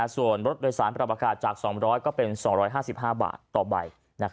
ส่วนรถโดยสารปรับอากาศจาก๒๐๐ก็เป็น๒๕๕บาทต่อใบ